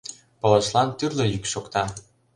Пылышлан тӱрлӧ йӱк шокта...